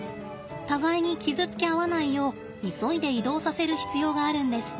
互いに傷つけ合わないよう急いで移動させる必要があるんです。